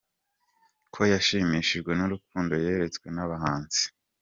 com ko yashimishijwe n’urukundo yeretswe n’abahanzi.